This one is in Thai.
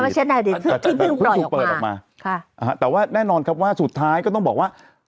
แชทในอดีตที่เพิ่งปล่อยออกมาค่ะอ่าแต่ว่าแน่นอนครับว่าสุดท้ายก็ต้องบอกว่า